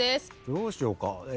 どうしようか。